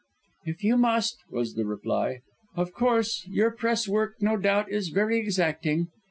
"If you must," was the reply. "Of course, your press work no doubt is very exacting."